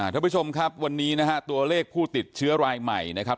ท่านผู้ชมครับวันนี้นะฮะตัวเลขผู้ติดเชื้อรายใหม่นะครับ